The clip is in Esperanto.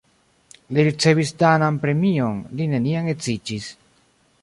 Li ricevis danan premion, li neniam edziĝis.